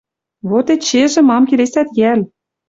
Вот эчежӹ мам келесӓт йӓл?